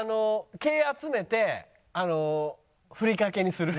毛集めてふりかけにする。